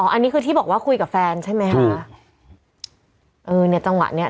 อันนี้คือที่บอกว่าคุยกับแฟนใช่ไหมคะเออเนี่ยจังหวะเนี้ย